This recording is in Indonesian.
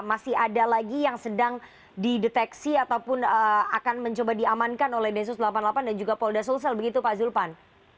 masih ada lagi yang sedang dideteksi ataupun akan mencoba diamankan oleh densus delapan puluh delapan dan juga polda sulsel begitu pak zulpan